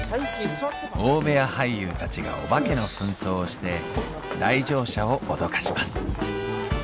大部屋俳優たちがお化けの扮装をして来場者を脅かします。